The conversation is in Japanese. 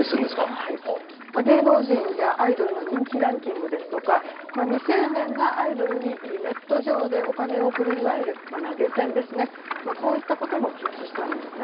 芸能人やアイドルの人気ランキングですとか、未成年がアイドルにネット上でお金を送る、いわゆる投げ銭ですね、こういったことも禁止したんですね。